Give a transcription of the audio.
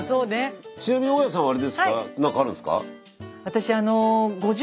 ちなみに大家さんはあれですか何かあるんすか？